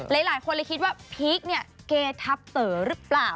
หลายคนเลยคิดว่าพีคเนี่ยเกทับเต๋อหรือเปล่า